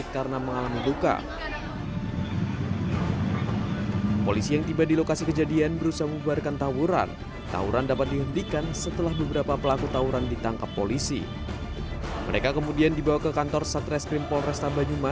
kepala kepala kepala